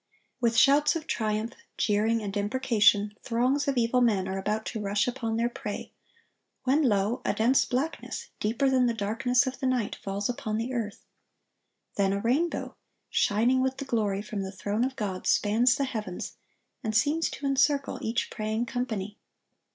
(1091) With shouts of triumph, jeering, and imprecation, throngs of evil men are about to rush upon their prey, when, lo, a dense blackness, deeper than the darkness of the night, falls upon the earth. Then a rainbow, shining with the glory from the throne of God, spans the heavens, and seems to encircle each praying company.